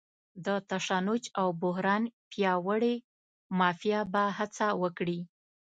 د تشنج او بحران پیاوړې مافیا به هڅه وکړي.